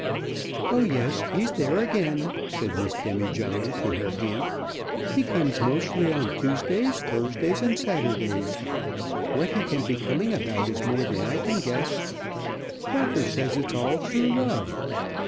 "Oh yes; he's there again," said Miss Demijohn to her aunt. "He comes mostly on Tuesdays, Thursdays, and Saturdays. What he can be coming about is more than I can guess. Crocker says it's all true love.